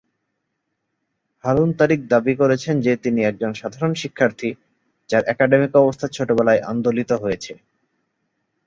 হারুন তারিক দাবি করেছেন যে তিনি একজন সাধারণ শিক্ষার্থী, যার একাডেমিক অবস্থা ছোটবেলায় আন্দোলিত হয়েছে।